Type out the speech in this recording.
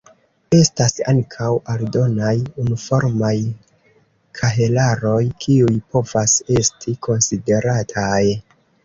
Estas ankaŭ aldonaj unuformaj kahelaroj, kiuj povas esti konsiderataj.